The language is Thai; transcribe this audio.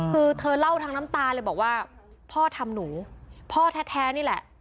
คือเธอเล่าทั้งน้ำตาเลยบอกว่าพ่อทำหนูพ่อแท้นี่แหละ